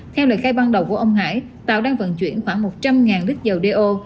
theo lời khai ban đầu của ông hải tàu đang vận chuyển khoảng một trăm linh lít dầu đeo